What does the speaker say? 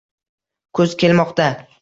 Kuz kelmoqda